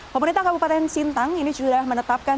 pemerintah kabupaten sintang ini sudah menetapkan